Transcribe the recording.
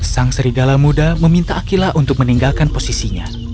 sang serigala muda meminta akilah untuk meninggalkan posisinya